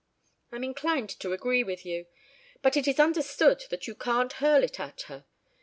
"I'm inclined to agree with you. But it is understood that you can't hurl it at her.